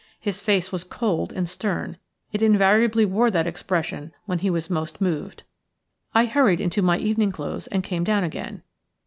His face was cold and stern; it invariably wore that expression when he was most moved. I hurried into my evening clothes and came down again.